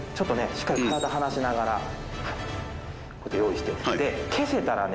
しっかり体離しながら用意してで消せたらね